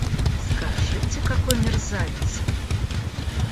Скажите, какой мерзавец!